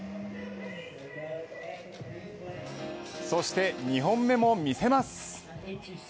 そして、２本目も見せます。